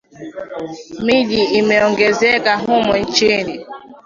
Miji imeongezeka humu nchini